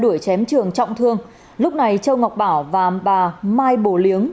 trường đã bị chém trường trọng thương lúc này châu ngọc bảo và bà mai bồ liếng